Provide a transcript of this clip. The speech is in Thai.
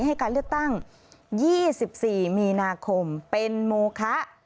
ให้การเลือกตั้ง๒๔มีนาคมเป็นโมคะ